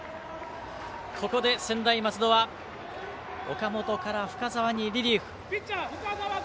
ここで専大松戸は岡本から深沢にリリーフ。